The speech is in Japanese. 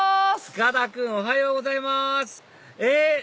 塚田君おはようございますえっ